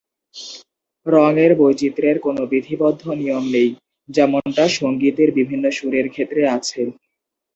রঙের বৈচিত্রের কোনো বিধিবদ্ধ নিয়ম নেই যেমনটা সঙ্গীতের বিভিন্ন সুরের ক্ষেত্রে আছে।